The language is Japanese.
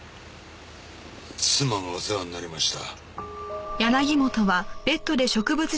妻がお世話になりました。